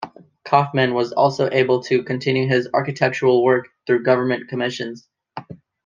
Kaufmann was also able to continue his architectural work through government commissions.